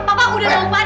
bapak udah dong pak